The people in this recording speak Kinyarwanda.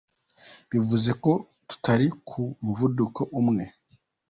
Bivuze ko tutari ku muvuduko umwe.